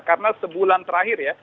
karena sebulan terakhir ya